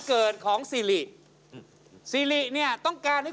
คุณฟังผมแป๊บนึงนะครับ